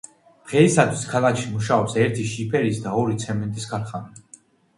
დღეისათვის ქალაქში მუშაობს ერთი შიფერის და ორი ცემენტის ქარხანა.